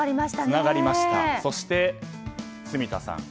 そして住田さん